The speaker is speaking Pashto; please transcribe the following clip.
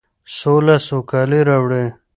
سوله سوکالي راوړي.